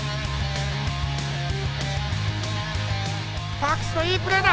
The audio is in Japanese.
パークスのいいプレーだ。